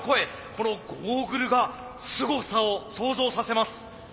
このゴーグルがすごさを想像させます。